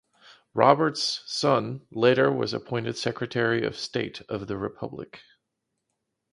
Roberts' son later was appointed Secretary of State of the Republic.